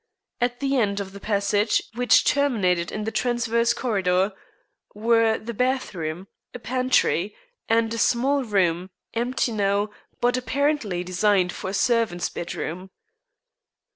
At the end of the passage, which terminated in the transverse corridor, were the bathroom, a pantry, and a small room, empty now, but apparently designed for a servant's bedroom.